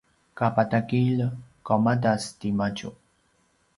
kapatagilj qaumadas timadju